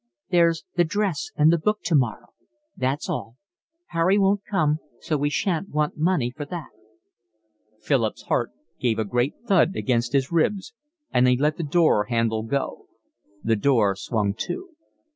"There's the dress and the book tomorrow. That's all. Harry won't come, so we shan't want money for that." Philip's heart gave a great thud against his ribs, and he let the door handle go. The door swung to.